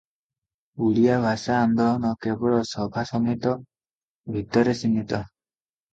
ଓଡ଼ିଆ ଭାଷା ଆନ୍ଦୋଳନ କେବଳ ସଭାସମିତି ଭିତରେ ସୀମିତ ।